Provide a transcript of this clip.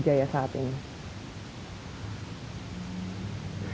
jaya saat ini